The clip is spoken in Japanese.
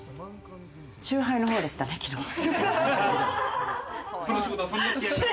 チューハイのほうでしたね、きのうは。